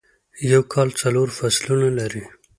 یوکال څلورفصلونه لري ..